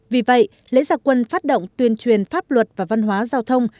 vì vậy lễ gia quân phát động tuyên truyền pháp luật và văn hóa giao thông